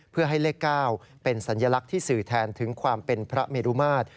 เพื่อให้เลข๙เป็นสัญลักษณ์ที่สื่อแทนถึงความเป็นพระเมรุมาตร